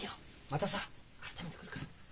またさ改めて来るから。